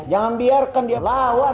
jangan biarkan dia lawan